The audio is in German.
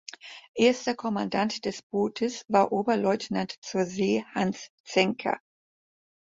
Erster Kommandant des Bootes war Oberleutnant zur See Hans Zenker.